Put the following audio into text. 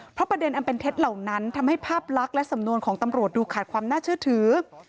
เพราะประเด็นอันเป็นเท็จเหล่านั้นทำให้ภาพลักษณ์และสำนวนของตำรวจดูขาดความน่าเชื่อถือ